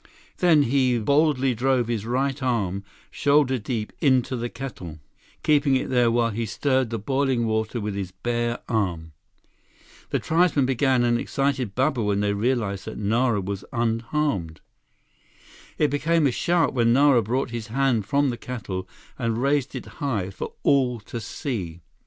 Then, he boldly drove his right arm shoulder deep into the kettle, keeping it there while he stirred the boiling water with his bare arm. The tribesmen began an excited babble when they realized that Nara was unharmed. It became a shout when Nara brought his hand from the kettle and raised it high, for all to see.